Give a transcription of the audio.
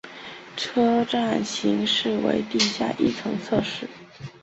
车站型式为地下一层侧式。